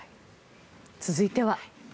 続いては。